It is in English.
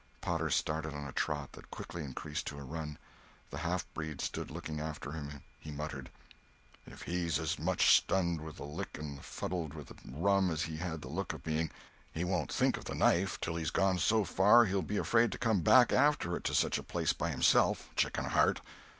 Potter started on a trot that quickly increased to a run. The half breed stood looking after him. He muttered: "If he's as much stunned with the lick and fuddled with the rum as he had the look of being, he won't think of the knife till he's gone so far he'll be afraid to come back after it to such a place by himself—chicken heart!"